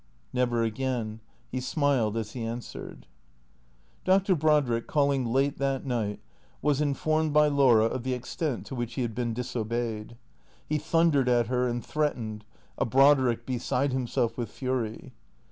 " Never again." He smiled as he answered. Dr. Brodrick, calling late that night, was informed by Laura of the extent to which he had been disobeyed. He thundered at her and threatened, a Brodrick beside himself with fury.